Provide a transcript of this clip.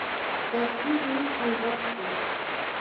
تصوير نوکى غټ سو.